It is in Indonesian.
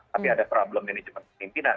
tapi ada problem manajemen pimpinan